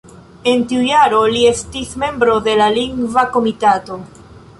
En tiu jaro li estis membro de la Lingva Komitato.